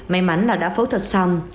may mắn là đã phẫu thuật xong